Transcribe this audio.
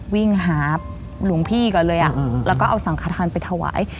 วิ่งหาหลวงพี่ก่อนเลยแล้วก็เอาสังขทานไปถวาย